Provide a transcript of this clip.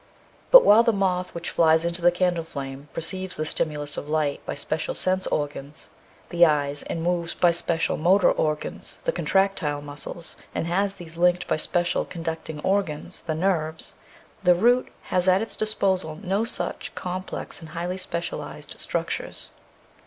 But while the moth which flies into the candle flame perceives the stimulus of light by special sense organs, the eyes, and moves by special motor organs, the contractile muscles, and has these linked by special conduct ing organs, the nerves, the root has at its disposal no such complex and highly specialised structures.